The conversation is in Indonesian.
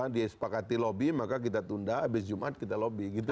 dia sepakati lobby maka kita tunda habis jumat kita lobby gitu